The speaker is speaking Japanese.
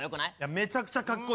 めちゃくちゃかっこいい。